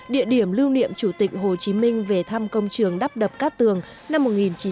địa điểm lưu niệm chủ tịch hồ chí minh về thăm công trường đắp đập các tường năm một nghìn chín trăm năm mươi tám